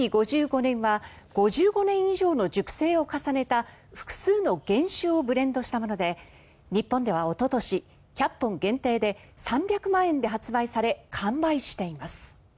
５５年は５５年以上の熟成を重ねた複数の原酒をブレンドしたもので日本ではおととし１００本限定で３００万円で発売され完売しています。